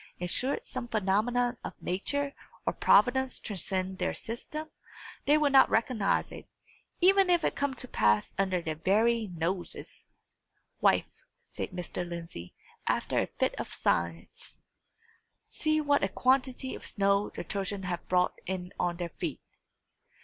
And should some phenomenon of nature or providence transcend their system, they will not recognise it, even if it come to pass under their very noses. "Wife," said Mr. Lindsey, after a fit of silence, "see what a quantity of snow the children have brought in on their feet!